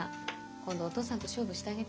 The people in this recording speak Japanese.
今度お父さんと勝負してあげて。